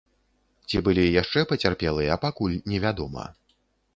Ці былі яшчэ пацярпелыя, пакуль невядома.